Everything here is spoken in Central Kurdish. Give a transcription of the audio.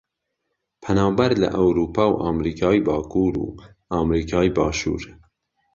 پەنابەر لە ئەورووپا و ئەمریکای باکوور و ئەمریکای باشوور